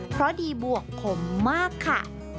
เพราะดีบวกขมมากค่ะ